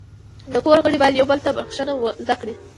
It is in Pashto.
د کور غړي باید یو بل ته بخښنه زده کړي.